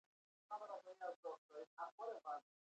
ویده سترګې له رڼا تېښته کوي